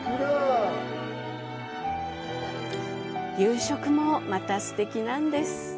夕食もまたすてきなんです。